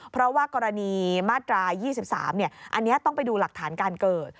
เพราะว่ากรณีมาตรา๒๓อันนี้ต้องไปดูหลักฐานการเกิด